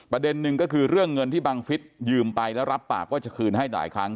ประเด็นหนึ่งก็คือเรื่องเงินที่บังฟิศยืมไปแล้วรับปากว่าจะคืนให้หลายครั้ง